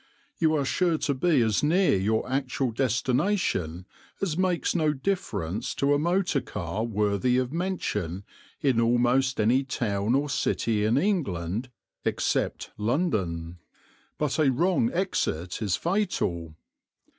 You are sure to be as near your actual destination as makes no difference to a motor car worthy of mention in almost any town or city in England except London. But a wrong exit is fatal.